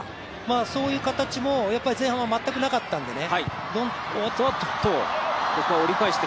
そういう形も前半は全くなかったんでね。